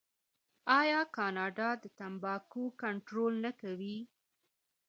آیا کاناډا د تمباکو کنټرول نه کوي؟